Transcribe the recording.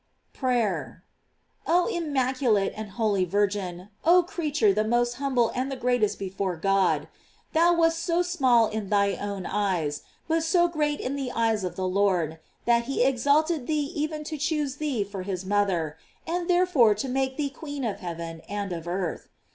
PRAYER. Oh immaculate and holy Virgin loh creature the most humble and the greatest before God ! thou wast so small in thy own eyes, but so great in the eyes of thy Lord, that he exalted thee even to choose thee for his mother, and therefore to make thee queen of heaven and of earth.